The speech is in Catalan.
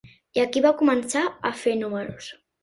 I aquí va començar a fer números